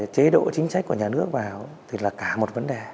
chế độ chính sách của nhà nước vào thì là cả một vấn đề